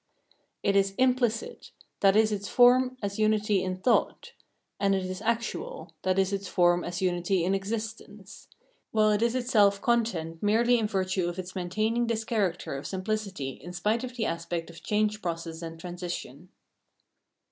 It is implicit — that is its form as unity in thought : and it is actual — that is its form as imity in existence : while it is itself content merely in virtue of its maintaining this character of simpHcity in spite of the aspect of change process and transition.